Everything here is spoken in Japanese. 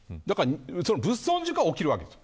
物損事故は起きるわけです。